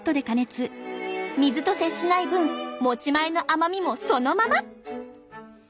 水と接しない分持ち前の甘みもそのまま！